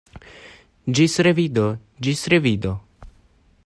Ĝis revido, ĝis revido!